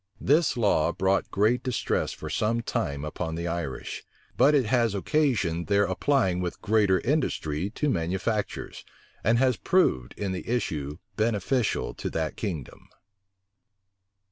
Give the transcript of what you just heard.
This law brought great distress for some time upon the Irish; but it has occasioned their applying with greater industry to manufactures, and has proved in the issue beneficial to that kingdom.